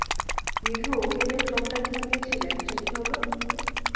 বিধু, ওকে যে ফ্রকটা কিনে দিয়েছিলেম সে কী হল।